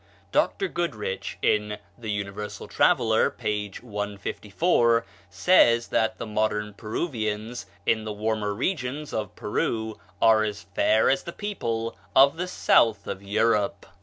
Dr. Goodrich, in the 'Universal Traveller,' p. 154, says that the modern Peruvians, in the warmer regions of Peru, are as fair as the people of the south of Europe."